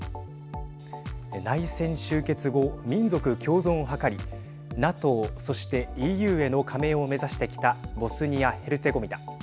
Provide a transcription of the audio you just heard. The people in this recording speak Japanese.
内戦終結後、民族共存を図りＮＡＴＯそしてＥＵへの加盟を目指してきたボスニア・ヘルツェゴビナ。